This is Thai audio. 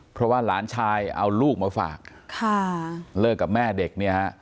เพราะว่าหลานชายเอาลูกมาฝากค่ะเลิกกับแม่เด็กเนี่ยฮะ